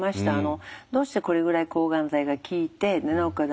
どうしてこれぐらい抗がん剤が効いてなおかつ